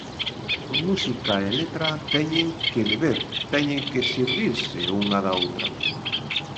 Música e letra teñen que beber, teñen que servirse unha da outra.